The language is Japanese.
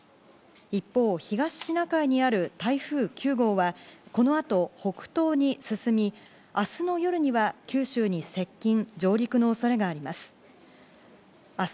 一方、東シナ海にある台風９号は、この後北東に進み明日の夜には九州に接近、上陸の恐れがあります。